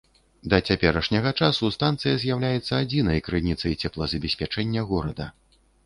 Да цяперашняга часу станцыя з'яўляецца адзінай крыніцай цеплазабеспячэння горада.